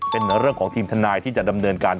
เป็นเรื่องของทีมทนายที่จะดำเนินการ